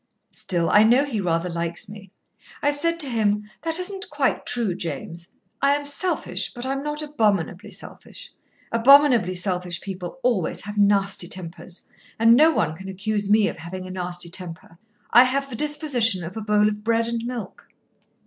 Still, I know he rather likes me. I said to him: 'That isn't quite true, James. I am selfish, but I'm not abominably selfish. Abominably selfish people always have nasty tempers, and no one can accuse me of having a nasty temper. I have the disposition of a bowl of bread and milk."